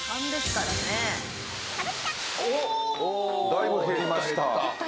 だいぶ減りました。